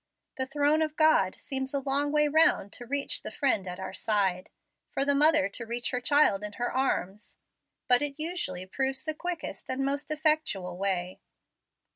The throne of God seems a long way round to reach the friend at our side, for the mother to reach her child in her arms, but it usually proves the quickest and most effectual way.